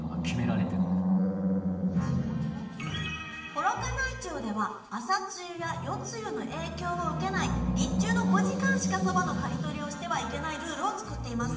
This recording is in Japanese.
幌加内町では朝露や夜露の影響を受けない日中の５時間しかそばの刈り取りをしてはいけないルールを作っています。